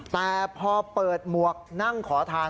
แต่พอเปิดหมวกนั่งขอทาน